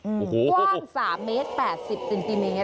กว้าง๓เมตร๘๐เซนติเมตร